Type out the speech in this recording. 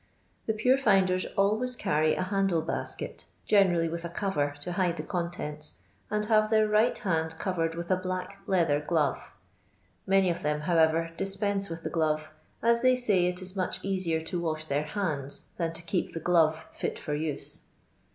The pure finders always carry ft handle basket, generally with a cover, to hide the contents, and have their right hand covered with a bb^k leather glove ; many of them, how ever, dispense with the glove, as they sny it is much easier to wash their hands than to keep the glove fit for nse.